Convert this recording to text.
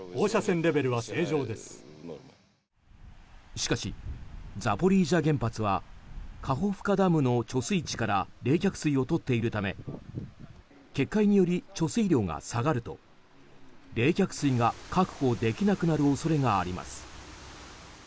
しかし、ザポリージャ原発はカホフカダムの貯水池から冷却水をとっているため決壊により貯水量が下がると冷却水が確保できなくなる恐れがあります。